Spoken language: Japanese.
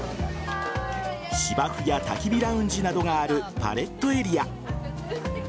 芝生やたき火ラウンジなどがあるパレットエリア。